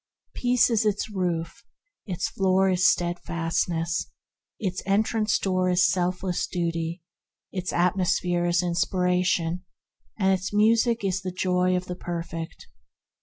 Peace AT REST IN THE KINGDOM 79 is its roof, its floor is Steadfastness, its entrance door is Selfless Duty, its atmos phere is Inspiration, and its music is the Joy of the perfect.